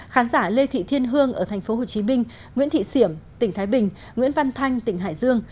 khán giả lê thị thiên hương ở tp hcm nguyễn thị xiểm tỉnh thái bình nguyễn văn thanh tỉnh hải dương